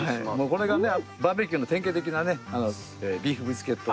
これがねバーベキューの典型的なビーフブリスケットで。